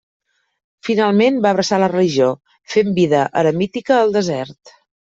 Finalment va abraçar la religió, fent vida eremítica al desert.